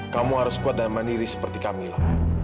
kamu harus kuat dan mandiri seperti kamilah